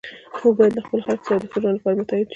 موږ باید له خپلو خلکو سره د ښه ژوند لپاره متحد شو.